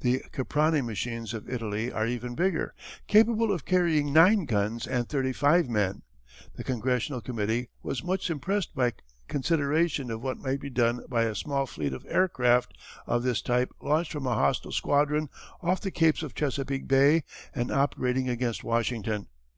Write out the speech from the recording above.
The Caproni machines of Italy are even bigger capable of carrying nine guns and thirty five men. The Congressional Committee was much impressed by consideration of what might be done by a small fleet of aircraft of this type launched from a hostile squadron off the Capes of Chesapeake Bay and operating against Washington.